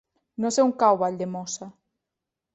No sé on cau Valldemossa.